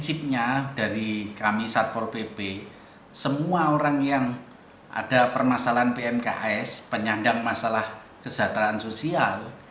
karena dari kami satpol pp semua orang yang ada permasalahan pmks penyandang masalah kesejahteraan sosial